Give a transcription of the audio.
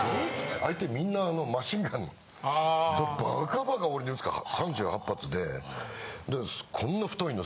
相手みんなマシンガンバカバカ俺に撃つから３８発でこんな太いの。